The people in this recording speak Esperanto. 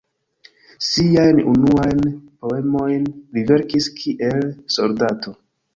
Siajn unuajn poemojn li verkis kiel soldato.